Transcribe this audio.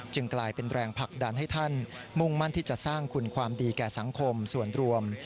กลายเป็นแรงผลักดันให้ท่านมุ่งมั่นที่จะสร้างคุณความดีแก่สังคมส่วนรวม